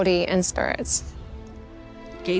di dalam pikiran tubuh dan roh